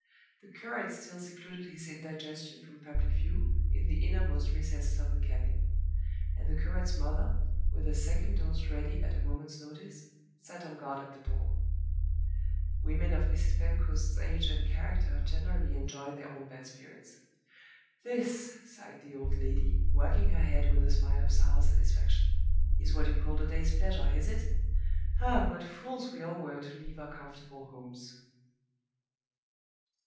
The curate still secluded his indigestion from public view in the innermost recesses of the cabin; and the curate's mother, with a second dose ready at a moment's notice, sat on guard at the door. Women of Mrs. Pentecost's age and character generally enjoy their own bad spirits. "This," sighed the old lady, wagging her head with a smile of sour satisfaction "is what you call a day's pleasure, is it? Ah, what fools we all were to leave our comfortable homes!"